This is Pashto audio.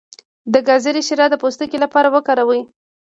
د ګازرې شیره د سترګو لپاره وکاروئ